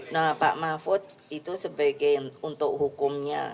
nah pak mahfud itu sebagai untuk hukumnya